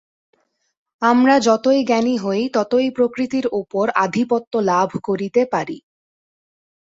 আমরা যতই জ্ঞানী হই, ততই প্রকৃতির উপর আধিপত্য লাভ করিতে পারি।